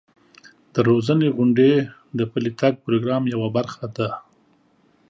د روزنې غونډې د پلي تګ پروګرام یوه برخه ده.